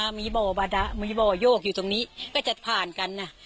กับน้ำมีบ่อบดะมีบ่อยกอยู่ตรงนี้ก็จะผ่านกันอะ